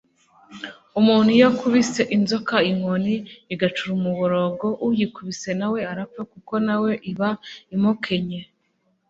Umuntu iyo akubise inzoka inkoni igacura umuborogo, uyikubise nawe arapfa, kuko nawe iba imukenye,